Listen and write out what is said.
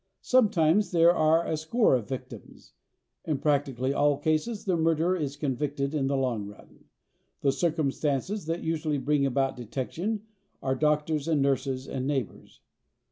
Sometimes there are a score of victims. In practically all cases the murderer is convicted in the long run. The circumstances that usually bring about detection are doctors and nurses and neighbors.